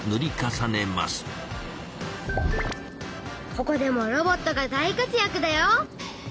ここでもロボットが大活やくだよ。